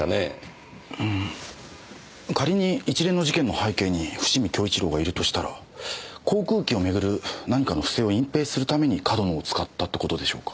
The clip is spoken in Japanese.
ん仮に一連の事件の背景に伏見享一良がいるとしたら航空機をめぐる何かの不正を隠蔽するために上遠野を使ったって事でしょうか。